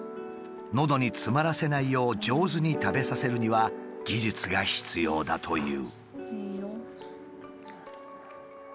のどに詰まらせないよう上手に食べさせるには技術が必要だという。